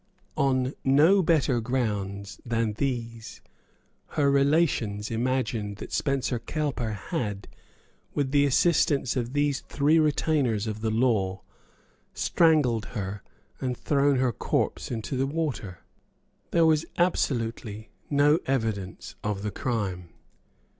On no better grounds than these her relations imagined that Spencer Cowper had, with the assistance of these three retainers of the law, strangled her, and thrown her corpse into the water. There was absolutely no evidence of the crime.